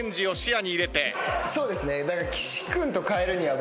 そうですね。